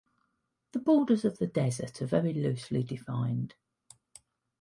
The borders of the desert are very loosely defined.